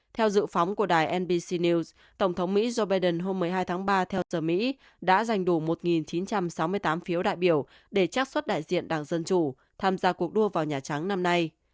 theo dự phóng của đài nbc news tổng thống mỹ joe biden hôm một mươi hai tháng ba theo giờ mỹ đã giành đủ một chín trăm sáu mươi tám phiếu đại biểu để trác xuất đại diện đảng dân chủ tham gia cuộc đua vào nhà trắng năm nay